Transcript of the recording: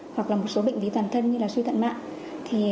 hoặc là một số bệnh lý toàn thân như suy tận mạng